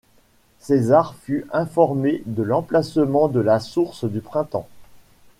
César fut informé de l'emplacement de la source du printemps.